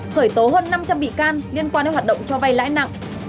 khởi tố hơn năm trăm linh bị can liên quan đến hoạt động cho vay lãi nặng